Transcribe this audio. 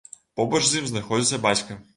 Побач з ім знаходзіцца бацька.